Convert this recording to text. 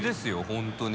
本当に。